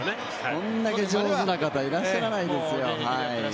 これだけ上手な方いらっしゃらないですよ。